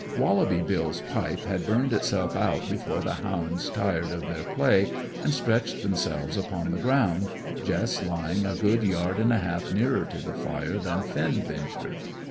Wallaby Bill's pipe had burned itself out before the hounds tired of their play and stretched themselves upon the ground, Jess lying a good yard and a half nearer to the fire than Finn ventured.